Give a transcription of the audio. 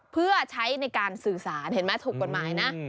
เพื่อใช้ในการสื่อสารเห็นไหมถูกกฎหมายนะ